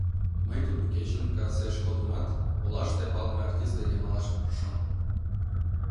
Мый тудо кечын касеш кодымат, олаште палыме артист деке малаш пурышым.